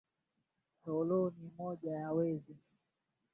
alijibu tumevaa nguo zetu nzuri na tupo tayari kufa